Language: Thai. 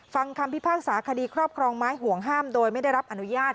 ฟังคำพิพากษาคดีครอบครองไม้ห่วงห้ามโดยไม่ได้รับอนุญาต